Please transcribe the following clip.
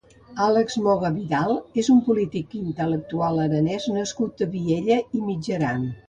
Àlex Moga Vidal és un polític i intel·lectual aranès nascut a Viella i Mitjaran.